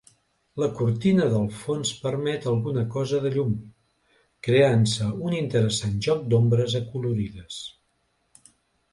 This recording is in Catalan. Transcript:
La cortina del fons permet alguna cosa de llum, creant-se un interessant joc d'ombres acolorides.